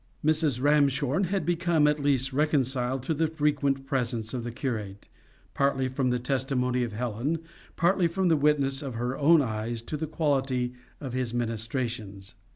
Mrs. Ramshorn had become at least reconciled to the frequent presence of the curate, partly from the testimony of Helen, partly from the witness of her own eyes to the quality of his ministrations.